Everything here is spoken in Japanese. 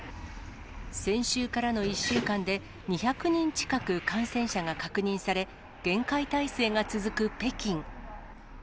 先週からの１週間で、２００人近く感染者が確認され、厳戒態勢が続く北京。